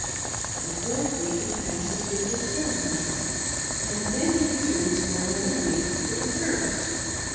The fourth week he passes with the third wife; then he returns for another week to the first.